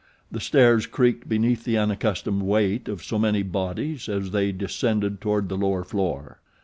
The stairs creaked beneath the unaccustomed weight of so many bodies as they descended toward the lower floor.